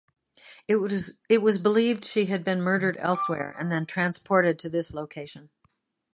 It was believed she had been murdered elsewhere and then transported to this location.